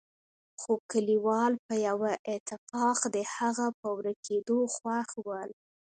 خو کليوال په يوه اتفاق د هغه په ورکېدو خوښ ول.